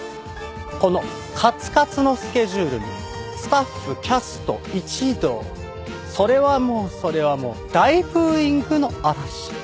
このカツカツのスケジュールにスタッフキャスト一同それはもうそれはもう大ブーイングの嵐。